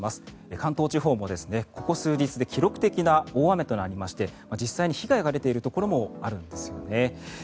関東地方もここ数日で記録的な大雨となりまして実際に被害が出ているところもあるんですよね。